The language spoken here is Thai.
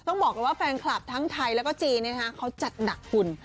ต้องบอกว่าแฟนคลับทางไทยและจีนน้องจัดหนักฝูน